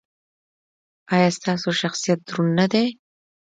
ایا ستاسو شخصیت دروند نه دی؟